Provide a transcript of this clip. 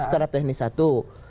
secara teknis satu